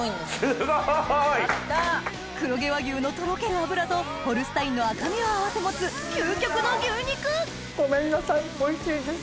すごい！黒毛和牛のとろける脂とホルスタインの赤身を合わせ持つ究極の牛肉ごめんなさいおいしいです。